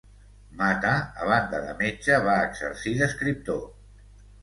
Mata, a banda de metge, va exercir d'escriptor.